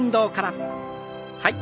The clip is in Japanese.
はい。